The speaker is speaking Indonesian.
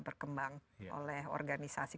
berkembang oleh organisasi